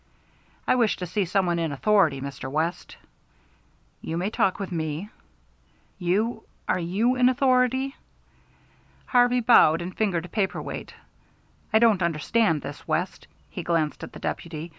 "I wish to see some one in authority, Mr. West." "You may talk with me." "You are you in authority?" Harvey bowed, and fingered a paper weight. "I don't understand this, West." He glanced at the deputy.